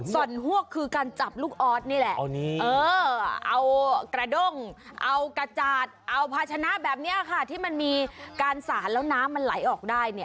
แต่จากเอาภาชนะแบบเนี้ยค่ะที่มันมีการสานแล้วน้ำมันไหลออกได้เนี้ย